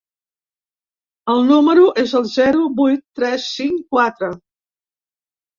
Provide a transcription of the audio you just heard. El número és el zero vuit tres cinc quatre.